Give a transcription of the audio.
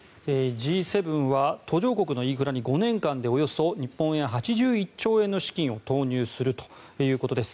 Ｇ７は途上国のインフラに５年間で日本円でおよそ８１兆円の資金を投入するということです。